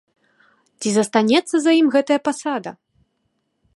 Ці застанецца за ім гэтая пасада?